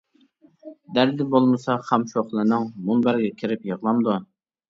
دەردى بولمىسا خام شوخلىنىڭ، مۇنبەرگە كىرىپ يىغلامدۇ.